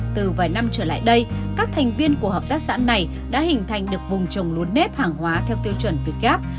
từ vài năm trở lại đây các thành viên của hợp tác xã này đã hình thành được vùng trồng lúa nếp hàng hóa theo tiêu chuẩn việt gáp